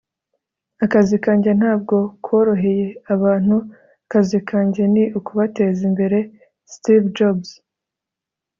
akazi kanjye ntabwo koroheye abantu. akazi kanjye ni ukubateza imbere. - steve jobs